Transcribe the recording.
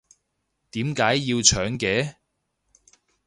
點解要搶嘅？